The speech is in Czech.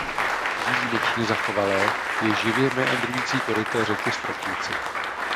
Výjimečně zachovalé je živě meandrující koryto řeky Stropnice.